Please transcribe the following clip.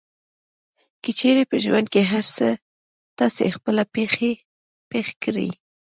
که چېرې په ژوند کې هر څه تاسې خپله پېښ کړئ.